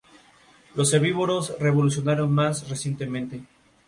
La Guerra Civil Española no respetó las manifestaciones religiosas y culturales.